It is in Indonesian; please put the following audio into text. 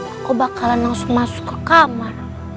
aku bakalan langsung masuk ke kamar